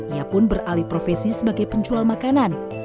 ia pun beralih profesi sebagai penjual makanan